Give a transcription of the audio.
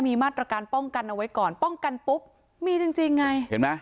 มีมาตรการป้องกันเอาไว้ก่อนป้องกันปุ๊บมีจริงจริงไงเห็นไหม